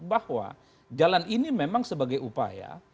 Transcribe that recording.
bahwa jalan ini memang sebagai upaya